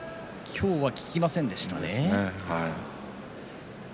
今日は効きませんでしたね。